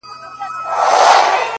گل وي ياران وي او سايه د غرمې _